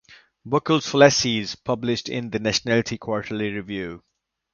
Buckle's Fallacies" published in the "National Quarterly Review".